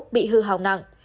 bị hư hào nặng